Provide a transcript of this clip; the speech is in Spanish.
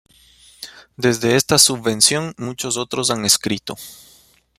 Desde esta subvención, muchos otros han escrito.